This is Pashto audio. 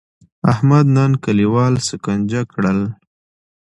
احمد نن کلیوال سکنجه کړل.